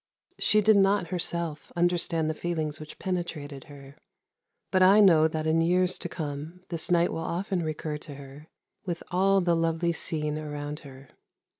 She did not herself understand the feelings which penetrated her, but I know that in years to come this night will often recur to her with all the lovely scene around her.